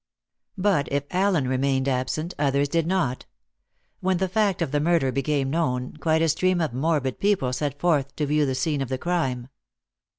But if Allen remained absent, others did not. When the fact of the murder became known, quite a stream of morbid people set forth to view the scene of the crime.